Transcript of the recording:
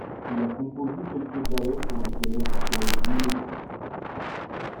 Il a composé quelques ballets pour les élèves du Collège Louis le Grand.